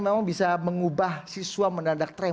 memang bisa mengubah siswa mendadak tram